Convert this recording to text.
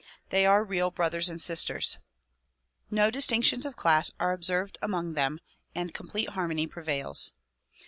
They are real brothers and sisters. No distinctions of class are observed among them and complete harmony prevails.